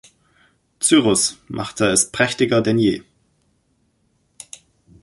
Cyrus machte es prächtiger denn je.